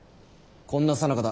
こんなさなかだ。